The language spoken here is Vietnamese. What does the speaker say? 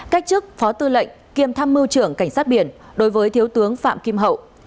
cách chức phó tư lệnh kiêm tham mưu trưởng cảnh sát biển đối với thiếu tướng phạm kim hậu